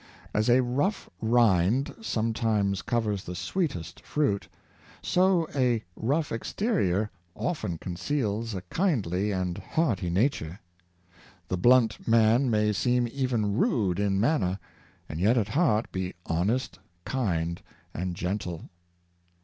As a rough rind sometimes covers , yohn Knox and Martin Luther. 533 the sweetest fruit, so a rough exterior often conceals a kindly and hearty nature. The blunt man may seem even rude in manner, and yet at heart be honest, kind, and gentle.